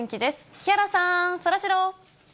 木原さん、そらジロー。